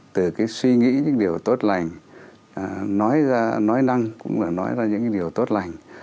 từ cái suy nghĩ những điều tốt lành nói năng cũng là nói ra những điều tốt lành